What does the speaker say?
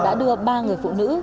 đã đưa ba người phụ nữ